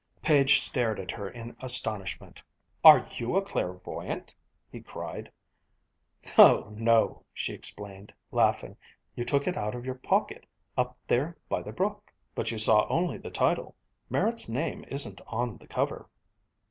Page stared at her in astonishment. "Are you a clairvoyant?" he cried. "No, no," she explained, laughing. "You took it out of your pocket up there by the brook." "But you saw only the title. Merritt's name isn't on the cover."